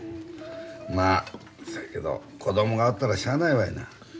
まあそやけど子供がおったらしゃあないわいな。